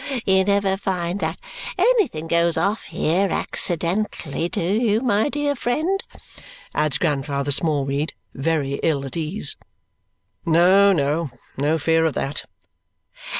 You never find that anything goes off here accidentally, do you, my dear friend?" adds Grandfather Smallweed, very ill at ease. "No, no. No fear of that."